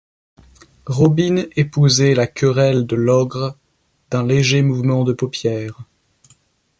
Robine épousait la querelle de Logre, d’un léger mouvement de paupières.